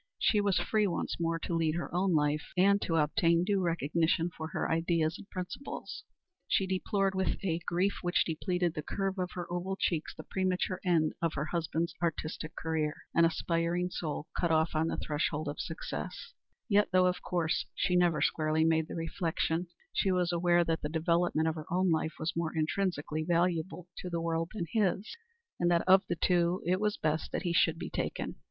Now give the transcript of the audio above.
She was free once more to lead her own life, and to obtain due recognition for her ideas and principles. She deplored with a grief which depleted the curve of her oval cheeks the premature end of her husband's artistic career an aspiring soul cut off on the threshold of success yet, though of course she never squarely made the reflection, she was aware that the development of her own life was more intrinsically valuable to the world than his, and that of the two it was best that he should be taken.